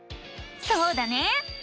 そうだね！